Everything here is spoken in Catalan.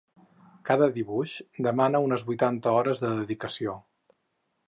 Cada dibuix demana unes vuitanta hores de dedicació.